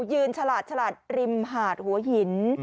ฉลาดฉลาดริมหาดหัวหิน